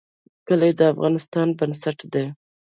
کلي د افغانستان بنسټ دی